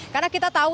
karena kita tahu